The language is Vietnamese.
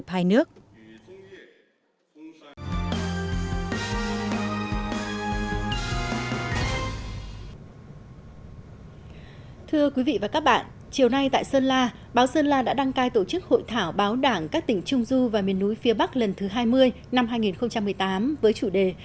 thưa quý vị và các bạn chiều nay tại sơn la báo sơn la đã đăng cai tổ chức hội thảo báo đảng các tỉnh trung du và miền núi phía bắc lần thứ hai mươi năm hai nghìn một mươi tám với chủ đề